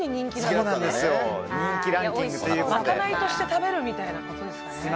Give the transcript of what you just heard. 賄いとして食べるみたいなことですかね。